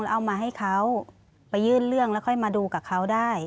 เอามาให้เขาไปยื่นเรื่องแล้วค่อยมาดูกับเขาได้